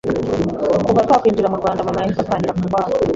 Kuva twakwinjira mu Rwanda, mama yahise atangira kurwara